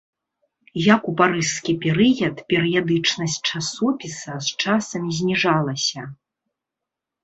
Як ў парыжскі перыяд, перыядычнасць часопіса з часам зніжалася.